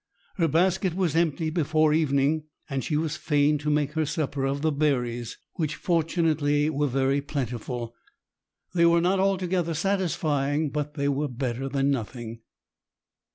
Her basket was empty before evening, and she was fain to make her supper of the berries, which fortunately were very plentiful. They were not altogether satisfying, but they were better than nothing.